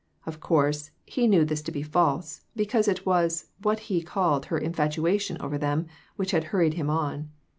Of course he knew this to be false, because it was what he called her "infatuation" over them which had hurried him on.